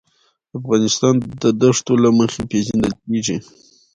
افغانستان د دښتو له مخې پېژندل کېږي.